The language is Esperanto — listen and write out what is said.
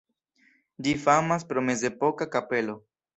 Ĝi famas pro mezepoka kapelo.